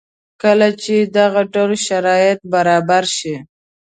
کله چې دغه ډول شرایط برابر شي